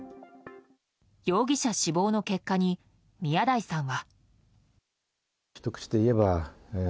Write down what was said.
容疑者死亡の結果に宮台さんは。